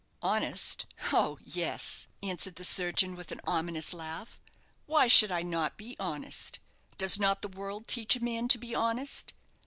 "Honest? oh, yes!" answered the surgeon, with an ominous laugh, "why should I be not honest? Does not the world teach a man to be honest?